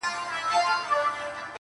پر كورونو د بلا، ساه ده ختلې.!